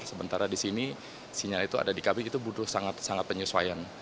sementara di sini sinyal itu ada di kb itu butuh sangat sangat penyesuaian